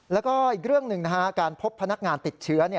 แล้วก็อีกเรื่องหนึ่งการพบพนักงานติดเชื้อ